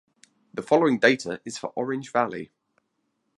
The following data is for "Orange Valley".